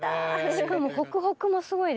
しかもホクホクもすごいですね。